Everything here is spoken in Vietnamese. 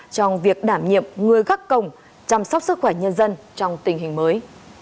trong việc đảm nhiệm người gắt cổng chăm sóc sức khỏe nhân dân trong tình hình mới